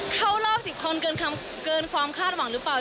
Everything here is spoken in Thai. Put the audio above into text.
เข้ารอบ๑๐คนเกินความคาดหวังหรือเปล่า